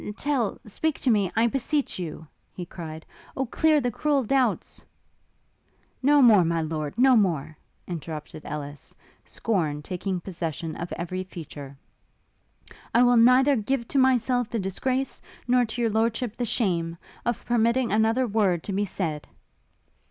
'Tell speak to me, I beseech you!' he cried, 'Oh clear the cruel doubts ' 'No more, my lord, no more!' interrupted Ellis, scorn taking possession of every feature; 'I will neither give to myself the disgrace, nor to your lordship the shame, of permitting another word to be said!'